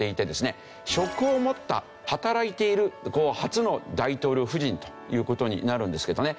職を持った働いている初の大統領夫人という事になるんですけどね。